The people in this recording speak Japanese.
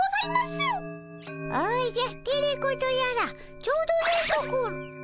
おじゃテレ子とやらちょうどよいところ。